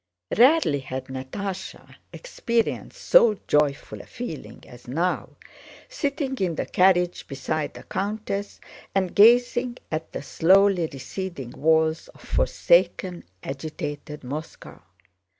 Rarely had Natásha experienced so joyful a feeling as now, sitting in the carriage beside the countess and gazing at the slowly receding walls of forsaken, agitated Moscow.